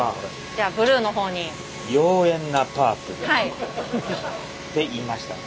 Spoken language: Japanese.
じゃあブルーの方に。って言いましたね？